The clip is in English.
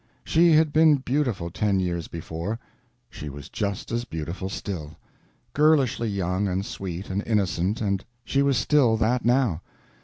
She had been beautiful ten years before; she was just as beautiful still; girlishly young and sweet and innocent, and she was still that now.